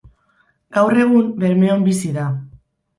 Gaur egun Bermeon bizi da.